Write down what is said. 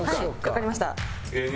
わかりました。